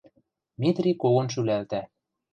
Митри когон шӱлӓлтӓ.